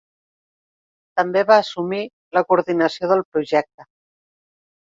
També va assumir la coordinació del projecte.